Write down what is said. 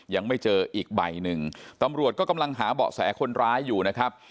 ยังไม่เจออีกใบหนึ่งตำรวจก็กำลังหาเบาะแสคนร้ายอยู่นะครับ